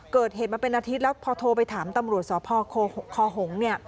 เกิดเหตุมาเป็นอาทิตย์แล้วพอโทรไปถามตำรวจสพคหงษ์